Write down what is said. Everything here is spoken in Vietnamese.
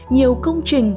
nhiều công trình